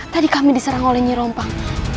tadi kami diserang oleh nyerompang